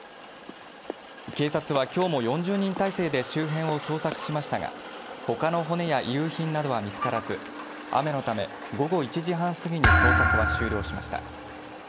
警察は今日も４０人態勢で周辺を捜索しましたが他の骨や遺留品などは見つからず雨のため午後１時半過ぎに捜索は終了しました。